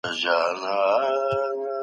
په دې وخت کي تخيل خپل ځای استدلال ته پرېږدي.